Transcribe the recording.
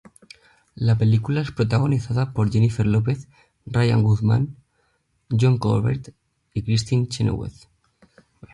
La película es protagonizada por Jennifer Lopez, Ryan Guzman, John Corbett y Kristin Chenoweth.